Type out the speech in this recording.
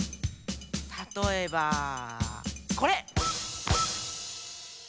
たとえばこれ。